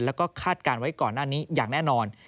แล้วก็คาดการณ์ไว้ก่อนหน้านี้อย่างแน่นอน